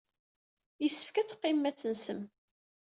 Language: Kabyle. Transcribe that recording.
Yessefk ad teqqimem ad tensem.